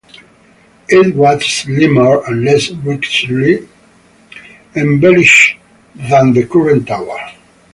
It was slimmer and less richly embellished than the current tower.